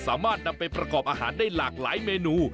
สามารถนำไปประกอบอาหารได้หลากหลายเมนู